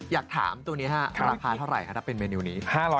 อยากถามตัวนี้ฮะราคาเท่าไหร่ครับถ้าเป็นเมนูนี้